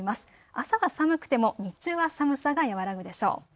朝は寒くても日中は寒さが和らぐでしょう。